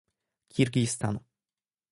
Kirgistan